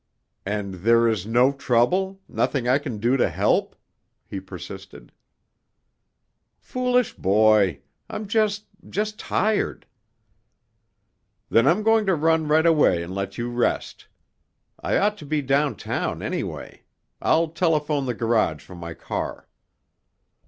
"And there is no trouble—nothing I can do to help?" he persisted. "Foolish boy! I'm just—just tired." "Then I'm going to run right away and let you rest. I ought to be downtown, anyway. I'll telephone the garage for my car."